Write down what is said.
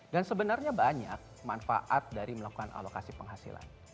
dan sebenarnya banyak manfaat dari melakukan alokasi penghasilan